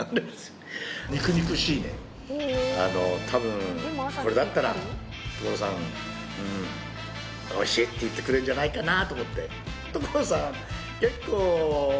たぶんこれだったら所さんおいしいって言ってくれるんじゃないかなと思って。